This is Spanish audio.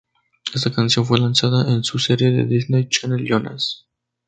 Esta canción fue lanzada en su serie de Disney Channel Jonas.